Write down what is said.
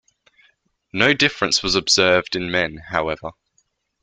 No difference was observed in men, however.